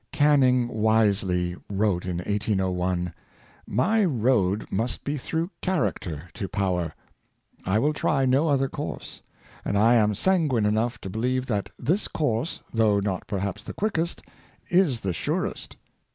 Canning wisely wrote in 1801, "My road must be through Character to Power; I will try no other course; and I am sanguine enough to believe that this course, though not perhaps the quickest, is the surest."